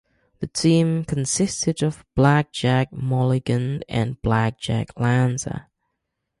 The team consisted of Blackjack Mulligan and Blackjack Lanza.